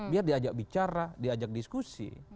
biar diajak bicara diajak diskusi